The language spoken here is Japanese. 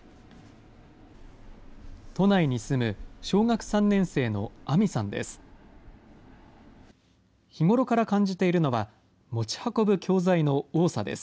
都内に住む小学３年生の杏美さんです。